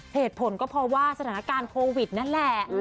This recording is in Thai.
เหตุผลก็เพราะว่าสถานการณ์โควิดนั่นแหละ